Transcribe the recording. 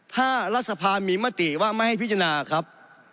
ถ้ารัฐสภามีมติว่าไม่ให้พิจารณาครับ